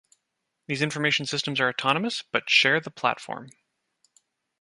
These information systems are autonomous, but share the platform.